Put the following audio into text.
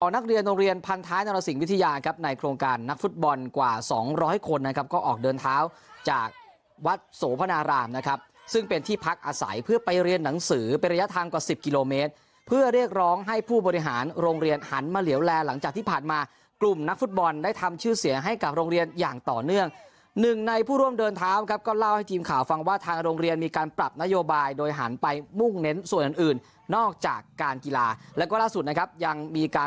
ออกนักเรียนโรงเรียนพันธ้ายนรสิงห์วิทยาครับในโครงการนักฟุตบอลกว่า๒๐๐คนนะครับก็ออกเดินเท้าจากวัดสวพนารามนะครับซึ่งเป็นที่พักอาศัยเพื่อไปเรียนหนังสือไประยะทางกว่า๑๐กิโลเมตรเพื่อเรียกร้องให้ผู้บริหารโรงเรียนหันมาเหลวแลหลังจากที่ผ่านมากลุ่มนักฟุตบอลได้ทำชื่อเสียให้กับโรงเรี